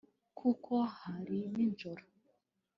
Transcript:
Kuko hari nijoro